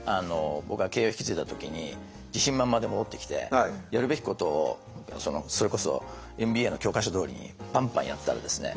僕は経営を引き継いだ時に自信満々で戻ってきてやるべきことをそれこそＭＢＡの教科書どおりにパンパンやったらですね